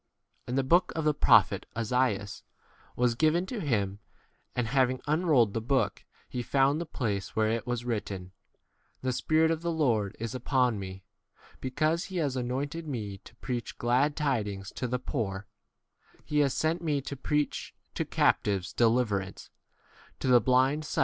And [the] book of the prophet Esaias was given to him, and having unrolled the book he found the place where 18 it was written, [The] Spirit of [the] Lord d is upon me, because he has anointed me to preach glad tidings to [the] poor ; he has sent me to£ preach to captives deliver ance, to the blind sight, to send d Ku'ptos, as the name Jehovah.